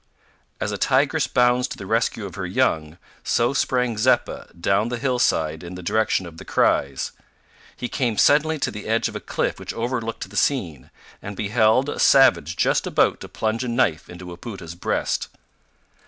As a tigress bounds to the rescue of her young, so sprang Zeppa down the hillside in the direction of the cries. He came suddenly to the edge of a cliff which overlooked the scene, and beheld a savage just about to plunge a knife into Wapoota's breast.